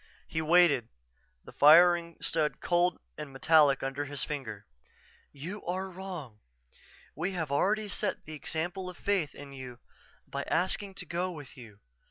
_" He waited, the firing stud cold and metallic under his finger. "_You are wrong. We have already set the example of faith in you by asking to go with you.